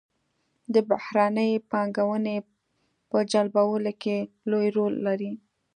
د بهرنۍ پانګونې په جلبولو کې لوی رول لري.